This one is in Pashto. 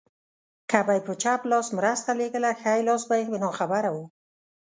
که به يې په چپ لاس مرسته لېږله ښی لاس به يې ناخبره و.